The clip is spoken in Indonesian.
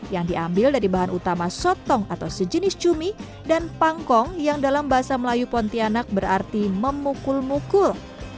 yang diambil dari bahan utama sotong atau sejenis cumi dan pangkong yang dalam bahasa melayu pontianak berarti memukul mukul